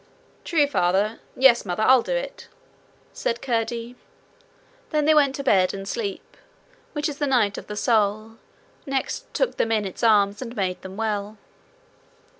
'True, Father! Yes, Mother, I'll do it,' said Curdie. Then they went to bed, and sleep, which is the night of the soul, next took them in its arms and made them well.